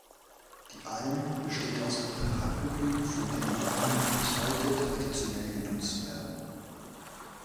Die Alm besteht aus mehreren Hütten, von denen einige bis heute traditionell genutzt werden.